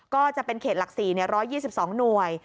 ก็จะเป็นเขตหลัก๔๑๒๒หน่วย